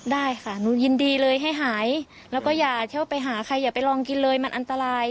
ได้ค่ะหนูยินดีเลยให้หายแล้วก็อย่าเที่ยวไปหาใครอย่าไปลองกินเลยมันอันตราย